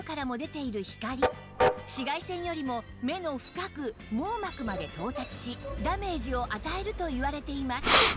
紫外線よりも目の深く網膜まで到達しダメージを与えるといわれています